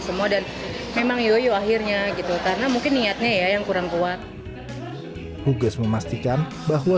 semua dan memang yoyo akhirnya gitu karena mungkin niatnya ya yang kurang kuat huges memastikan bahwa